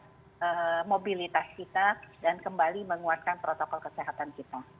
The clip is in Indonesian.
kita harus mengembangkan mobilitas kita dan kembali menguatkan protokol kesehatan kita